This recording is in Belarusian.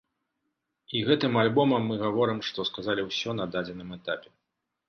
І гэтым альбомам мы гаворым, што сказалі ўсё на дадзеным этапе.